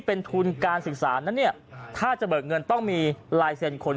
เป็นทุนการศึกษานั้นเนี่ยถ้าจะเบิกเงินต้องมีลายเซ็นต์คน